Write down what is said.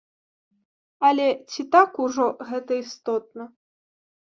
Але ці так ужо гэта істотна?